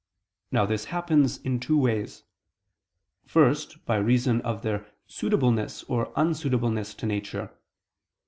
Now, this happens in two ways. First, by reason of their suitableness or unsuitableness to nature.